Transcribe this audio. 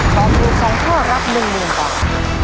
ตอบถูก๒ข้อรับ๑๐๐๐บาท